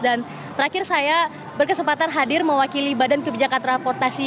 dan terakhir saya berkesempatan hadir mewakili badan kebijakan transportasi